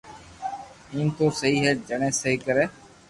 ايم تو سھي ھي جڻي سھي ڪري